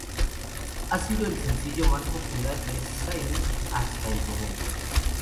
Ha sido el sencillo más popular de Cyrus hasta el momento.